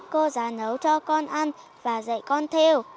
cô giáo nấu cho con ăn và dạy con theo